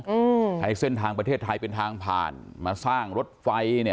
อืมใช้เส้นทางประเทศไทยเป็นทางผ่านมาสร้างรถไฟเนี้ย